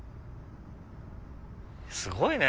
すごいね！